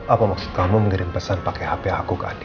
apa maksud kamu mengirim pesan pakai hp aku ke adik